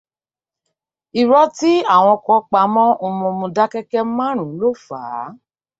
Irọ́ tí àwọn kan pa mọ́ ọmọ Mọdákẹ́kẹ́ márùn-ún ló fàá